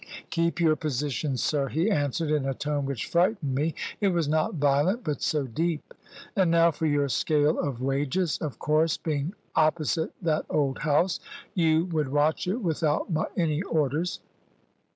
"Keep your position, sir," he answered, in a tone which frightened me; it was not violent, but so deep. "And now for your scale of wages. Of course, being opposite that old house, you would watch it without any orders.